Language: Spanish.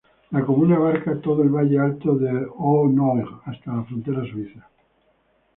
La comuna abarca todo el valle alto del Eau Noire, hasta la frontera suiza.